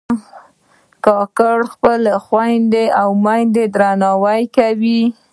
کاکړي خپلې خویندې او میندې درناوي کوي.